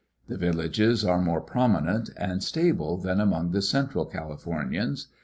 The villages are more prominent and stable than among the central Calif ornians.